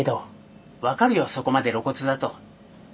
そこまで露骨だと。